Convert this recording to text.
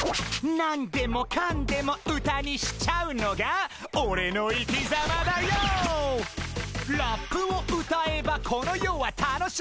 「何でもかんでも歌にしちゃうのがオレの生きざまダＹＯ」「ラップを歌えばこの世は楽し」